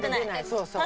そうそう。